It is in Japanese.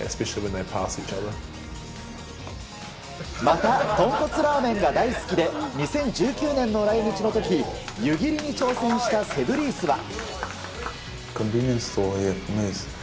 またとんこつラーメンが大好きで２０１９年の来日の時湯切りに挑戦したセヴ・リースは。